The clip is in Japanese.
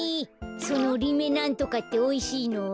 そのリメなんとかっておいしいの？